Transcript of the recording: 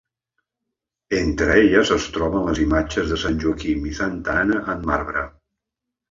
Entre elles es troben les imatges de Sant Joaquim i Santa Anna en marbre.